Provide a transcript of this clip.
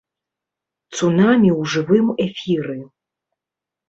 Цунамі ў жывым эфіры.